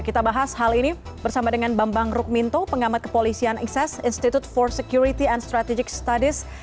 kita bahas hal ini bersama dengan bambang rukminto pengamat kepolisian ekses institute for security and strategic studies